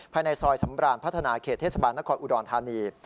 ภายในซอยสำราญพัฒนาเขตเทศบาลนครอุดรธานี